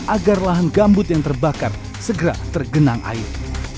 agar lahan gambut yang terbakar segera tergenang air